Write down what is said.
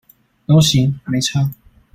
都行，沒差